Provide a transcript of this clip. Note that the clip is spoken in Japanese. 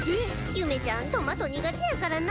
ゆめちゃんトマト苦手やからな。